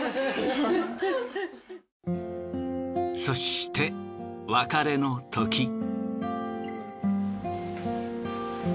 そして別れのとき。